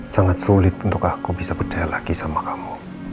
sangat sulit untuk aku bisa percaya lagi sama kamu